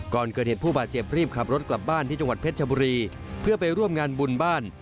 ก่อนเกิดเหตุผู้บาดเจ็บรีบขับรถกลับบ้านที่จังหวัดเพชรชบุรีเพื่อไปร่วมงานบุญบ้าน